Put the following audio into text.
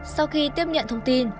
sau khi tiếp nhận thông tin